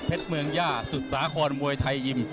เพชรเมืองย่าสุดสาคอนมวยไทยอิ่ม